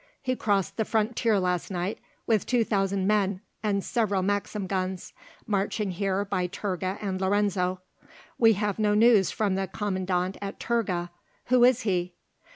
He crossed the frontier last night with two thousand men and several Maxim guns, marching here by Turga and Lorenzo. We have no news from the Commandant at Turga; who is he?"